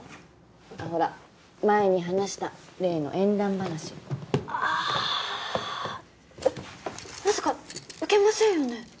あっほら前に話した例の縁談話ああえっまさか受けませんよね？